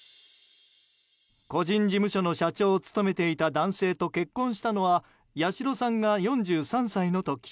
個人事務所の社長を務めていた男性と結婚したのは八代さんが４３歳の時。